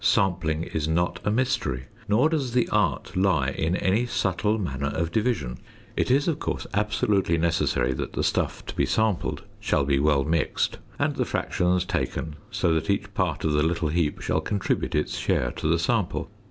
Sampling is not a mystery, nor does the art lie in any subtle manner of division. It is, of course, absolutely necessary that the stuff to be sampled shall be well mixed, and the fractions taken, so that each part of the little heap shall contribute its share to the sample.